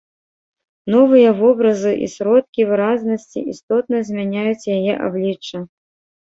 Новыя вобразы і сродкі выразнасці істотна змяняюць яе аблічча.